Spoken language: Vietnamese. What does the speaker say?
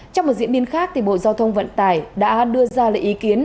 trong một diễn biến khác bộ giao thông vận tải đã đưa ra lệ ý kiến